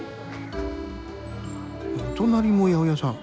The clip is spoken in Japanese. お隣も八百屋さん。